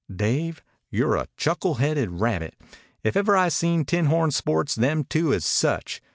"Dave, you're a chuckle haided rabbit. If ever I seen tinhorn sports them two is such.